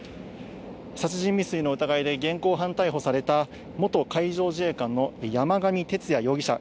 殺人未遂の疑いで現行犯逮捕された元海上自衛官の山上徹也容疑者